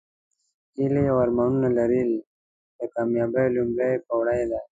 هیلې او ارمانونه لرل د کامیابۍ لومړۍ پوړۍ ده.